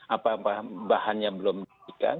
apa bahannya belum diberikan